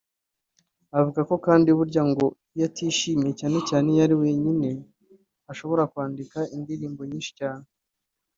Avuga ko kandi burya ngo iyo atishimye cyane cyane iyo ari wenyine ashobora kwandika indirimbo nyinshi cyane